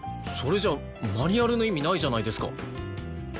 それじゃマニュアルの意味ないじゃないですか！